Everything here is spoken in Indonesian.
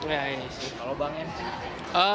iya ini sih kalau bang epen cupen